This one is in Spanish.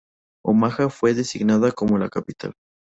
Omaha fue designada como la capital.